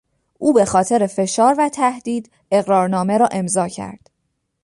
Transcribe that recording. او به خاطر فشار و تهدید اقرارنامه را امضا کرد.